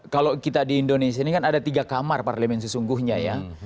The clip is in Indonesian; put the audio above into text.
kalau kita di indonesia ini kan ada tiga kamar parlemen sesungguhnya ya